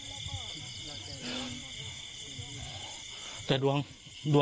หญิงบอกว่าจะเป็นพี่ปวก